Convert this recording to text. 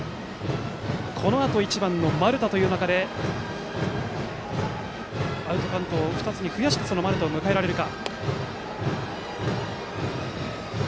このあと１番、丸田という中でアウトカウントを２つに増やしてその丸田を迎えられるか。